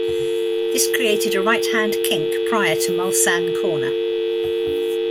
This created a right hand kink prior to Mulsanne corner.